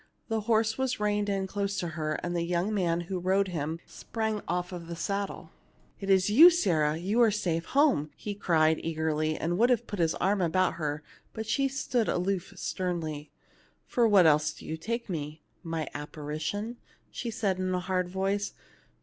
The horse was reined in close to her, and the young man who rode him sprang off the saddle. " It is you, Sarah ; you are safe home/' he cried, eagerly, and would have put his arm about her ; but she stood aloof sternly. " For what else did you take me ŌĆö my appari tion ?" she said, in a hard voice.